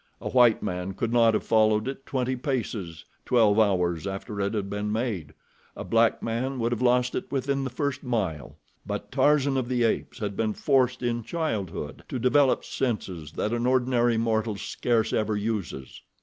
A white man could not have followed it twenty paces twelve hours after it had been made, a black man would have lost it within the first mile; but Tarzan of the Apes had been forced in childhood to develop senses that an ordinary mortal scarce ever uses.